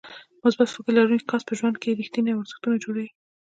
مثبت فکر لرونکی کس په ژوند کې رېښتيني ارزښتونه جوړوي.